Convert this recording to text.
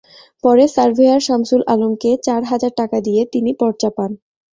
পরে সার্ভেয়ার শামসুল আলমকে চার হাজার টাকা দিয়ে তিনি পরচা পান।